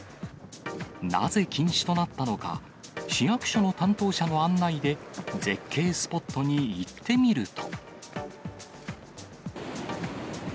なぜ禁止となったのか、市役所の担当者の案内で、絶景スポットに行ってみると。